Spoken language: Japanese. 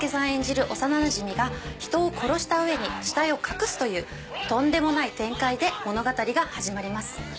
演じる幼なじみが人を殺した上に死体を隠すというとんでもない展開で物語が始まります。